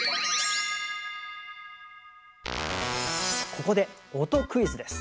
ここで音クイズです！